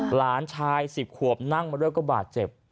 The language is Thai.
หลานชาย๑๐ขวบนั่งมาด้วยก็บาดเจ็บ